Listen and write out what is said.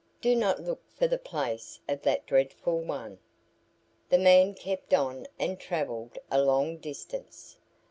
Do not look for the place of that dreadful one." The man kept on and travelled a long distance.